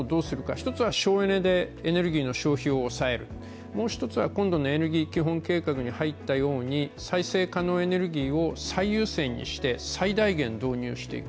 一つは省エネでエネルギーの消費を抑える、もう一つ今度のエネルギー基本計画に入ったように再生可能エネルギーを最優先にして最大限、導入していく。